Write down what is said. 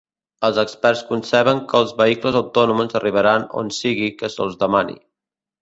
Els experts conceben que els vehicles autònoms arribaran on sigui que se'ls demani.